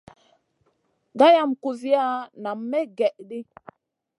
Gayam goy kuziya nam may gèh ɗi.